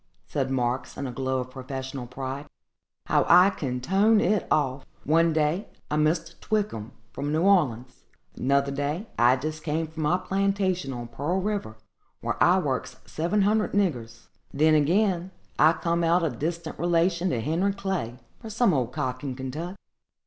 said Marks, in a glow of professional pride, "how I can tone it off. One day I'm Mr. Twickem, from New Orleans; 'nother day, I'm just come from my plantation on Pearl river, where I works seven hundred niggers; then, again, I come out a distant relation to Henry Clay, or some old cock in Kentuck.